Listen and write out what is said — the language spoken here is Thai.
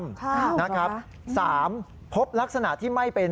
ค่ะครับนะครับข้อ๓พบลักษณะที่ไม่เป็น